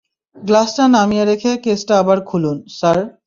গ্লাসটা নামিয়ে রেখে কেসটা আবার খুলুন, স্যার।